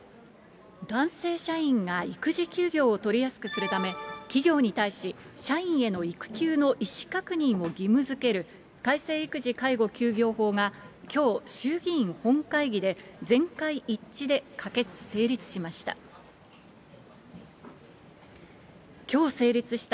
男性社員が育児休業を取りやすくするため、企業に対し、社員への育休の意思確認を義務づける、改正育児・介護休業法がきょう、衆議院本会議で全会一致で可決・成立しました。